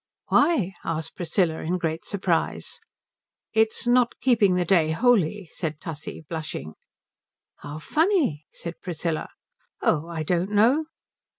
"Why?" asked Priscilla, in great surprise. "It's not keeping the day holy," said Tussie, blushing. "How funny," said Priscilla. "Oh, I don't know."